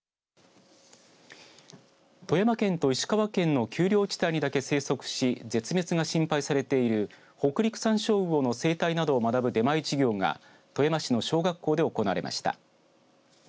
富山県と石川県の丘陵地帯にだけ生息し絶滅が心配されているホクリクサンショウウオの生態などを学ぶ出前授業が富山市の小学校で行われました。